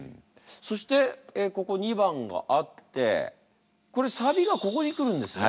そしてここ２番があってこれサビがここに来るんですね。